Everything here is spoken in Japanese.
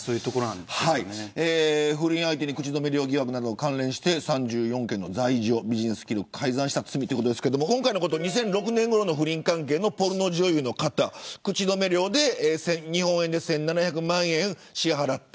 不倫相手に口止め料疑惑疑惑など関連して３４件の罪状ビジネス記録を改ざんした罪ということですが２００６年ごろの不倫関係のポルノ女優の方口止め料で日本円で１７００万円支払った。